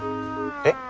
えっ。